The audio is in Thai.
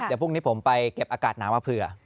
เดี๋ยวพรุ่งนี้ผมไปเก็บอากาศหนาวมาเผื่อ